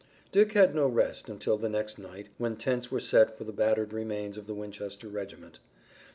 Dick had no rest until the next night, when tents were set for the battered remains of the Winchester regiment.